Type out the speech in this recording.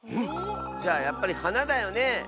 じゃあやっぱりはなだよね。